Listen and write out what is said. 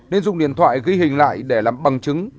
nên dùng điện thoại ghi hình lại để làm bằng chứng